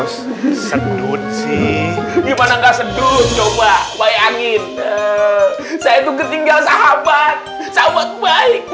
sedut sih gimana enggak sedut coba bayangin saya tuh ketinggalan sahabat sahabat baik